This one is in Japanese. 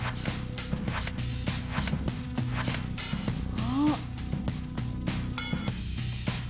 あっ。